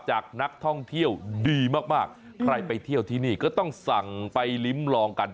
จากนักท่องเที่ยวดีมากมากใครไปเที่ยวที่นี่ก็ต้องสั่งไปลิ้มลองกัน